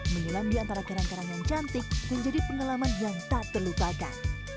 menyelam di antara karang karang yang cantik menjadi pengalaman yang tak terlupakan